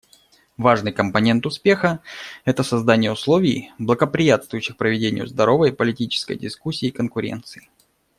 Важный компонент успеха — это создание условий, благоприятствующих проведению здоровой политической дискуссии и конкуренции.